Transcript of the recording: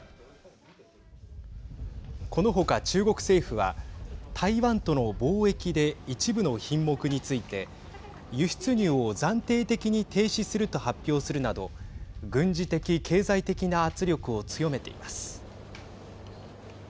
この他、中国政府は台湾との貿易で一部の品目について輸出入を暫定的に停止すると発表するなど軍事的、経済的な圧力を強めています。